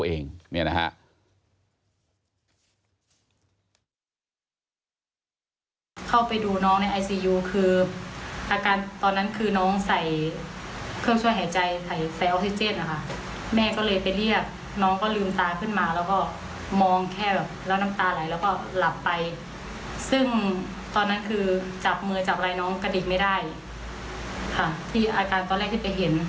ซึ่งตอนนั้นคือจับมือจับไรน้องกระดิ่งไม่ได้ค่ะที่อาการตอนแรกที่ไปเห็น